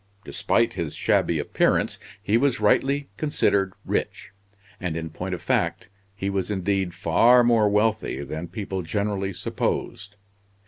Despite his shabby appearance, he was rightly considered rich, and, in point of fact, he was indeed far more wealthy than people generally supposed.